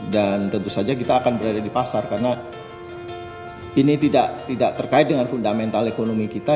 dan tentu saja kita akan berada di pasar karena ini tidak terkait dengan fundamental ekonomi kita